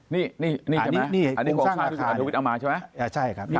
นี่คงสร้างราคา